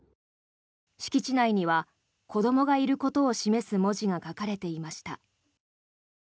敷地内には子どもがいることを示す文字が書かれていました。